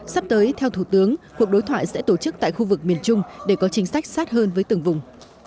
sắp tới theo thủ tướng cuộc đối thoại sẽ tổ chức tại khu vực miền trung để có chính sách sát hơn với từng vùng